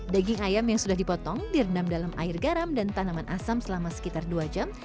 daging ayam yang sudah dipotong direndam dalam air garam dan tanaman asam selama sekitar dua jam